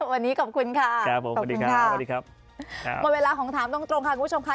วันนี้ขอบคุณค่ะขอบคุณค่ะวันเวลาของถามตรงค่ะคุณผู้ชมค่ะ